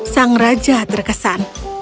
sang raja terkesan